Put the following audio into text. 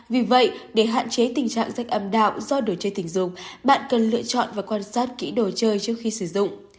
vì vậy để hạn chế tình trạng rách âm đạo do đồ chơi tình dục bạn cần lựa chọn và quan sát kỹ đồ chơi trước khi sử dụng